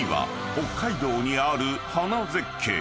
［北海道にある花絶景］